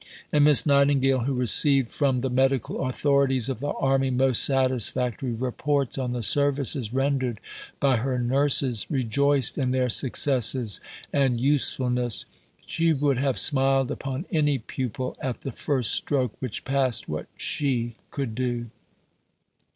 And Miss Nightingale, who received from the medical authorities of the Army most satisfactory reports on the services rendered by her nurses, rejoiced in their successes and usefulness. She would have smiled upon any pupil "at the first stroke which passed what she could do."